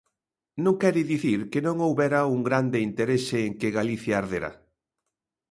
Non quere dicir que non houbera un grande interese en que Galicia ardera.